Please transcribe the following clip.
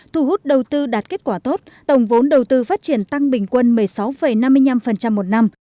thu hút đầu tư đạt kết quả tốt tổng vốn đầu tư phát triển tăng bình quân một mươi sáu năm mươi năm một năm